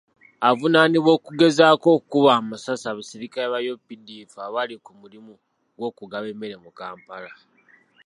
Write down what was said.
Avuunaanibwa kugezaako kukuba masasi abasirikale ba UPDF abaali ku mulimu gw'okugaba emmere mu Kampala.